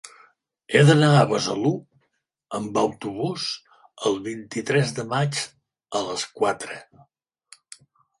He d'anar a Besalú amb autobús el vint-i-tres de maig a les quatre.